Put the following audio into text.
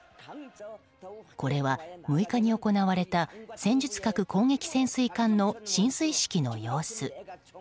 これは６日に行われた戦術核攻撃潜水艦の進水式の様子。